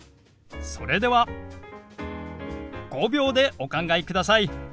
それでは５秒でお考えください！